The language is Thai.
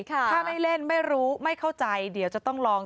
ถ้าไม่เล่นไม่รู้ไม่เข้าใจเดี๋ยวจะต้องลอง